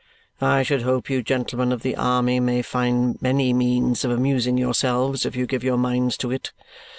I should hope you gentlemen of the army may find many means of amusing yourselves if you give your minds to it.